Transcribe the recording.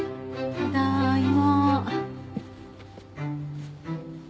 ただいま。